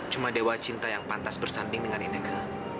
cuma dewa cinta yang pantas bersanding dengan ineke